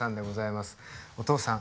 お父さん。